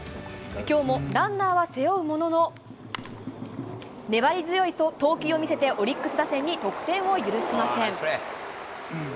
きょうもランナーは背負うものの、粘り強い投球を見せて、オリックス打線に得点を許しません。